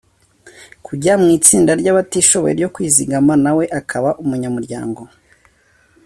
kujya mu itsinda ry’abatishoboye ryo kwizigama nawe akaba umunyamuryango